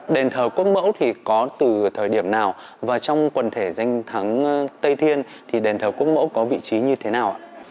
đền thờ quốc mẫu thì có từ thời điểm nào và trong quần thể danh thắng tây thiên thì đền thờ quốc mẫu có vị trí như thế nào ạ